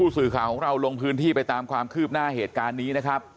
สื่อข่าวของเราลงพื้นที่ไปตามความคืบหน้าเหตุการณ์นี้นะครับ